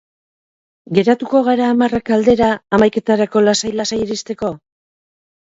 Geratuko gara hamarrak aldera, hamaiketarako lasai-lasai iristeko?